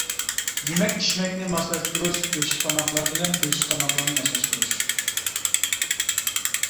يېمەك-ئىچمەكنى ماسلاشتۇرۇش گۆشلۈك تاماقلار بىلەن گۆشسىز تاماقلارنى ماسلاشتۇرۇش.